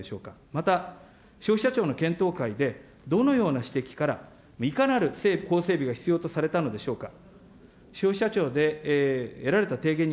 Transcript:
また、消費者庁の検討会で、どのような指摘から、いかなる法整備が必要とでしょうか。